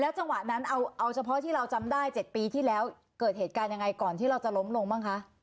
จังหวะนั้นเอาเฉพาะที่เราจำได้๗ปีที่แล้วเกิดเหตุการณ์ยังไงก่อนที่เราจะล้มลงบ้างคะ